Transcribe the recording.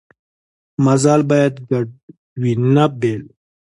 مزال باید ګډ وي نه بېل.